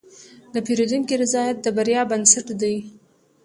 د پیرودونکي رضایت د بریا بنسټ دی.